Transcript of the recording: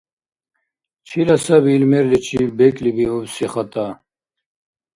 Чила саби ил мерличиб бекӏлибиубси хатӏа?